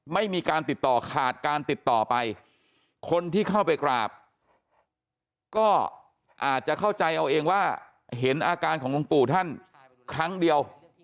ไม่มีการติดต่อขาดการติดต่อไปคนที่เข้าไปกราบก็อาจจะเข้าใจเอาเองว่าเห็นอาการของหลวงปู่ท่านครั้งเดียว